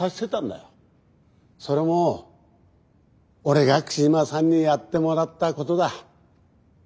それも俺が木島さんにやってもらったことだ。